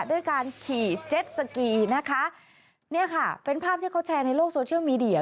ด้วยการขี่เจ็ดสกีนะคะเนี่ยค่ะเป็นภาพที่เขาแชร์ในโลกโซเชียลมีเดีย